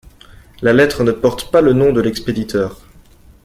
La lettre ne porte pas le nom de l'expéditeur.